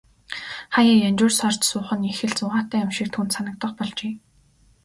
Хааяа янжуур сорж суух нь их л зугаатай юм шиг түүнд санагдах болжээ.